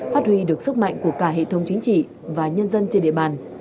phát huy được sức mạnh của cả hệ thống chính trị và nhân dân trên địa bàn